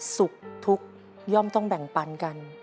สุขทุกข์ย่อมต้องแบ่งปันกัน